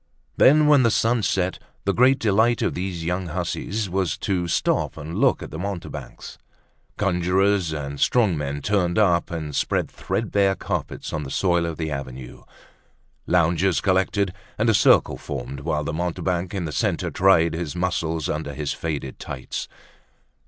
Then when the sun set, the great delight of these young hussies was to stop and look at the mountebanks. Conjurors and strong men turned up and spread threadbare carpets on the soil of the avenue. Loungers collected and a circle formed whilst the mountebank in the centre tried his muscles under his faded tights.